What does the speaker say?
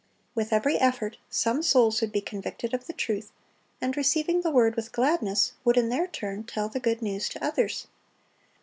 With every effort, some souls would be convicted of the truth, and, receiving the word with gladness, would in their turn tell the good news to others.